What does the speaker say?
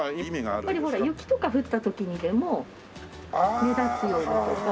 やっぱり雪とか降った時にでも目立つようにとか。